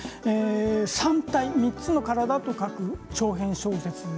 「三体」３つの体と書く長編小説